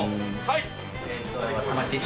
はい。